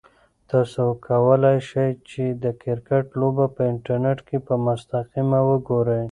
تاسو کولای شئ چې د کرکټ لوبه په انټرنیټ کې په مستقیم وګورئ.